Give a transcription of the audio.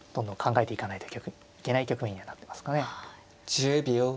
１０秒。